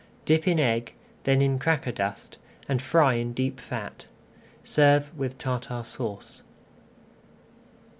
Dip in egg, then in cracker dust, and fry in deep fat. Serve with Tartar Sauce.